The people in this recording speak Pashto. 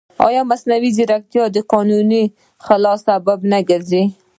ایا مصنوعي ځیرکتیا د قانوني خلا سبب نه ګرځي؟